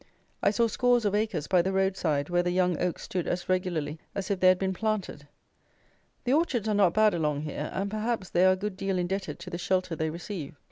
I saw scores of acres by the road side, where the young oaks stood as regularly as if they had been planted. The orchards are not bad along here, and, perhaps, they are a good deal indebted to the shelter they receive.